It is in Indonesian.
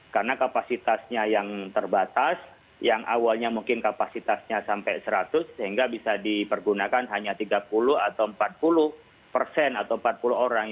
karena kapasitasnya yang terbatas yang awalnya mungkin kapasitasnya sampai seratus sehingga bisa dipergunakan hanya tiga puluh atau empat puluh persen atau empat puluh orang